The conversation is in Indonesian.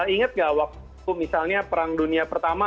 ingat gak waktu misalnya perang dunia pertama